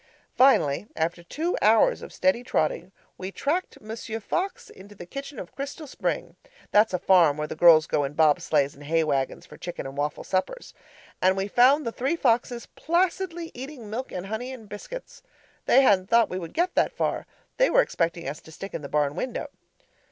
Finally, after two hours of steady trotting, we tracked Monsieur Fox into the kitchen of Crystal Spring (that's a farm where the girls go in bob sleighs and hay wagons for chicken and waffle suppers) and we found the three foxes placidly eating milk and honey and biscuits. They hadn't thought we would get that far; they were expecting us to stick in the barn window.